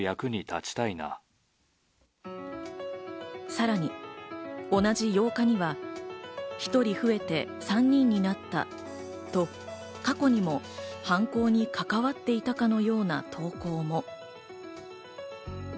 さらに同じ８日にはひとり増えて３人になったと過去にも犯行に関わっていたかのような投稿も。